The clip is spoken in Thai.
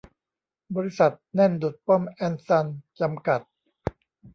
บริษัท แน่นดุจป้อมแอนด์ซันส์ จำกัด